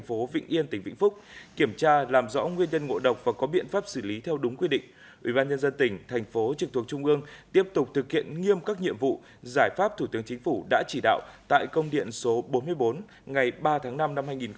phó thủ tướng chính phủ trần hồng hà vừa ký công điện số năm mươi ngày một mươi năm tháng năm năm hai nghìn hai mươi bốn